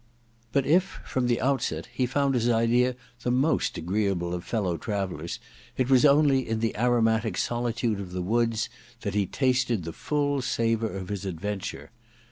But if, from the outset, he found his idea the most agreeable of fellow travellers, it was only in the aronutic solitude of the woods that he tasted the full savour of his adventure.